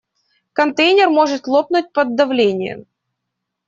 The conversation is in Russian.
Контейнер может лопнуть под давлением.